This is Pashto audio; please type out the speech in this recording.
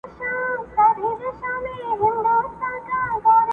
دې دوستی ته خو هیڅ لاره نه جوړیږي؛